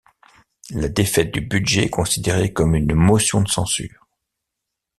La défaite du budget est considérée comme une motion de censure.